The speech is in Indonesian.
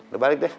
lo balik deh